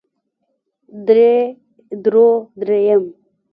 درې درو درېيم